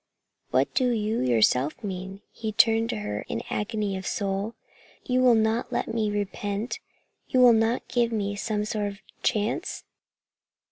"What do you yourself mean?" He turned to her in agony of soul. "You will not let me repent? You will not give me some sort of chance?"